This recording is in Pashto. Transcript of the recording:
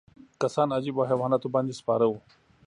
کسان عجیبو حیواناتو باندې سپاره وو.